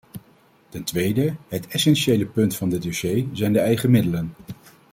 Ten tweede: het essentiële punt van dit dossier zijn de eigen middelen.